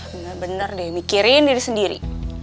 bener bener deh mikirin diri sendiri